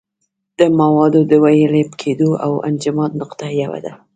د موادو د ویلې کېدو او انجماد نقطه یوه ده.